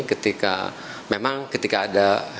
ketika memang ketika ada